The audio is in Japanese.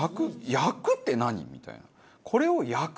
焼くって何？みたいな。